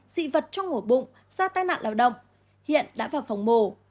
dị vật trong mổ bụng do tai nạn lao động hiện đã vào phòng mổ